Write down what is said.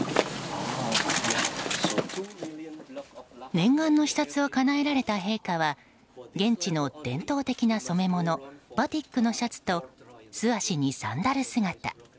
念願の視察をかなえられた陛下は現地の伝統的な染め物バティックのシャツと素足にサンダル姿。